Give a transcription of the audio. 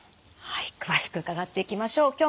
はい詳しく伺っていきましょう。